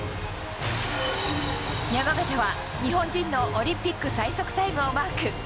山縣は日本人のオリンピック最速タイムをマーク。